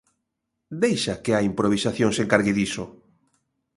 Deixa que a improvisación se encargue diso.